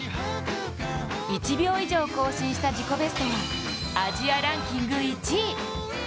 １秒以上更新した自己ベストはアジアランキング１位。